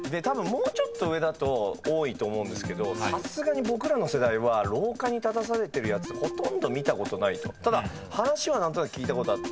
たぶんもうちょっと上だと多いと思うんですけどさすがに僕らの世代は廊下に立たされてるやつほとんど見たことないと。